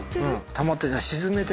たまって。